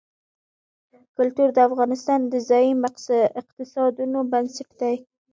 کلتور د افغانستان د ځایي اقتصادونو بنسټ دی.